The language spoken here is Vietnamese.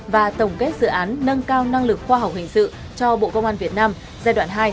và tổng kết dự án nâng cao năng lực khoa học hình sự cho bộ công an việt nam giai đoạn hai